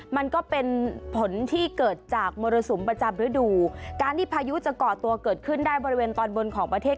มันก็เป็นผลที่เกิดจากมรสุมประจำฤดูการที่พายุจะก่อตัวเกิดขึ้นได้บริเวณตอนบนของประเทศ